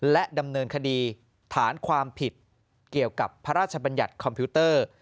และดำเนินคดีฐานความผิดเกี่ยวกับพระราชบัญญัติคอมพิวเตอร์